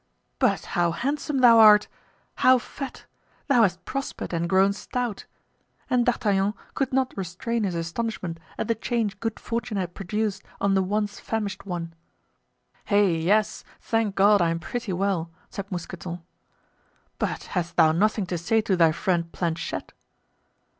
"But how handsome thou art—how fat! thou hast prospered and grown stout!" and D'Artagnan could not restrain his astonishment at the change good fortune had produced on the once famished one. "Hey, yes, thank God, I am pretty well," said Mousqueton. "But hast thou nothing to say to thy friend Planchet?"